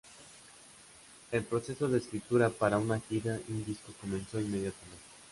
El proceso de escritura para una gira y un disco comenzó inmediatamente.